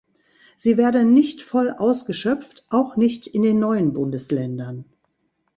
Sie werden nicht voll ausgeschöpft, auch nicht in den neuen Bundesländern.